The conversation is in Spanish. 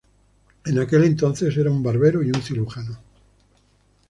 En aquel entonces eran un barbero y un cirujano.